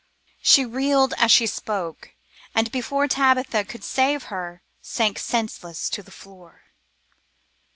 She reeled as she spoke, and before Tabitha could save her, sank senseless to the floor.